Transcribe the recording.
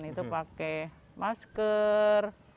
itu pakai masker